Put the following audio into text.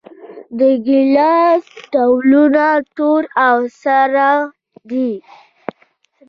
د ګیلاس ډولونه تور او سره دي.